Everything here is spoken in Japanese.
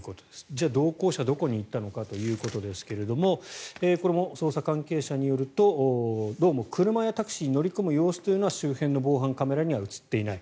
じゃあ、同行者どこに行ったのかですがこれも捜査関係者によるとどうも車やタクシーに乗り込む様子というのは周辺の防犯カメラには映っていない。